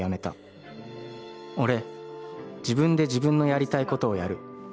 “俺、自分で、自分のやりたいことをやる。